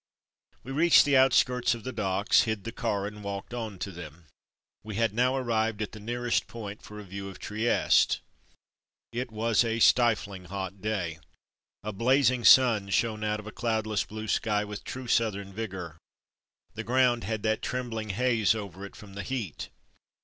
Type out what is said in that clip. We reached the outskirts of the docks, hid the car, and walked on to them. We had now arrived at the nearest point for a view of Trieste. A Peep at Trieste 227 It was a stifling hot day. A blazing sun shone out of a cloudless, blue sky with true southern vigour. The ground had that trembling haze over it from the heat.